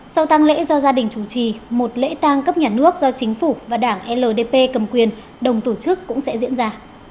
sau tăng lễ do gia đình chủ trì một lễ tàng cấp nhà nước do chính phủ và đảng ldp cầm quyền đồng tổ chức cũng sẽ diễn ra